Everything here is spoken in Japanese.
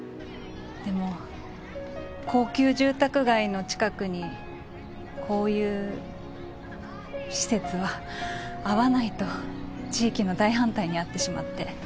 でも高級住宅街の近くにこういう施設は合わないと地域の大反対に遭ってしまって。